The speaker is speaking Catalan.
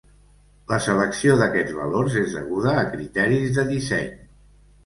La selecció d'aquests valors és deguda a criteris de disseny.